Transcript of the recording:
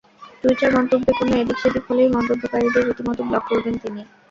Twitter মন্তব্যে কোনো এদিক সেদিক হলেই মন্তব্যকারীদের রীতিমতো ব্লক করবেন তিনি।